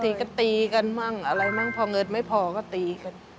ตีก็ตีกันมั่งอะไรมั่งพอเงินไม่พอก็ตีกัน